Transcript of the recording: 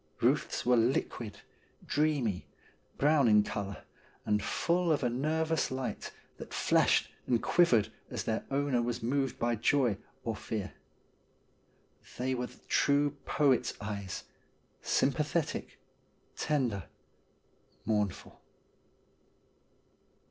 Buth's were liquid, dreamy, brown in colour, and full of a nervous light, that flashed and quivered as their owner was moved by joy or fear. They were the true poet's eyes ; sympathetic, tender, mournful.